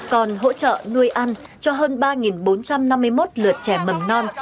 còn hỗ trợ nuôi ăn cho hơn ba bốn trăm năm mươi một lượt trẻ mầm non